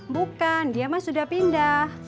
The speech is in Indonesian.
bukan dia mas sudah pindah